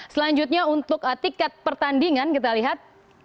selanjutnya untuk tiket pertandingan kita lihat